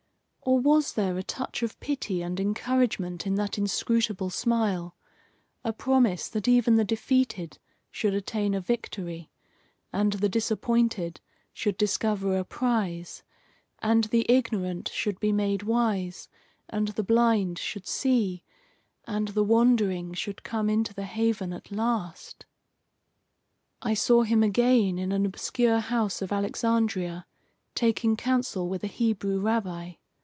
Or was there a touch of pity and encouragement in that inscrutable smile a promise that even the defeated should attain a victory, and the disappointed should discover a prize, and the ignorant should be made wise, and the blind should see, and the wandering should come into the haven at last? I saw him again in an obscure house of Alexandria, taking counsel with a Hebrew rabbi.